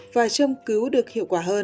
và châm cứu được hiệu quả hơn